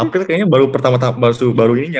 april kayaknya baru pertama tahap baru ini